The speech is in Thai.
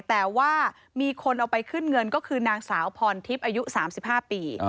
แต่ว่ามีคนเอาไปขึ้นเงินก็คือนางสาวพรทิพย์อายุ๓๕ปี